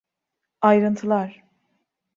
Ayrıntılar.